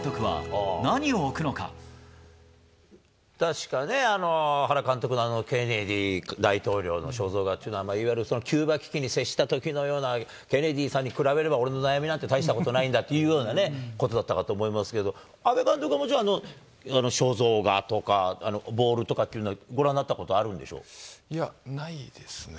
確かね、原監督のあのケネディ大統領の肖像画というのはいわゆるキューバ危機に接したときのようなケネディさんに比べれば、俺の悩みなんて大したことないんだというようなことだったかと思いますけれども、阿部監督ももちろん、あの肖像画とかボールとかっていうのをご覧になったことあるんでいや、ないですね。